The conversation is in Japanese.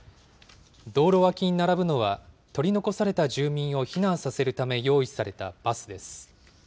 道路脇に並ぶのは、取り残された住民を避難させるため用意されたバスです。